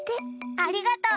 ありがとう。